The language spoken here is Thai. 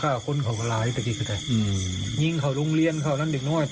อืมยิงเขารุงเรียนเขานั่นเด็กหน้วย